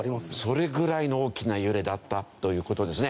それぐらいの大きな揺れだったという事ですね。